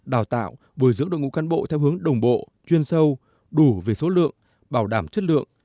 đào tạo bồi dưỡng đội ngũ cán bộ theo hướng đồng bộ chuyên sâu đủ về số lượng bảo đảm chất lượng